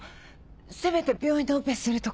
せめて病院でオペするとか。